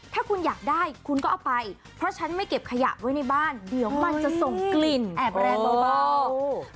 ถ้าคุณอยากได้คุณก็เอาไปเพราะฉันไม่เก็บขยะไว้ในบ้านเดี๋ยวมันจะส่งกลิ่นแอบแรงเบา